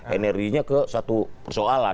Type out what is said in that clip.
energinya ke satu persoalan